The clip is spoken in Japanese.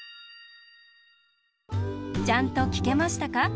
ちゃんときけましたか？